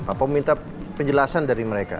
apa minta penjelasan dari mereka